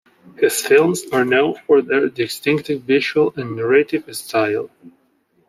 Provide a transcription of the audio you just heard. His films are known for their distinctive visual and narrative style.